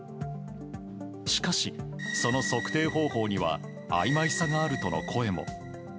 しかし、その測定方法にはあいまいさがあるとの声も。